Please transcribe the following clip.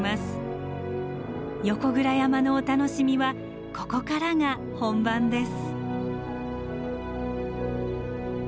横倉山のお楽しみはここからが本番です。